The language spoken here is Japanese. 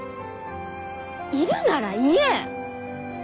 いるなら言え！